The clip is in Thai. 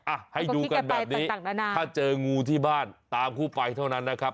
อ่ะให้ดูกันแบบนี้ถ้าเจองูที่บ้านตามคู่ไปเท่านั้นนะครับ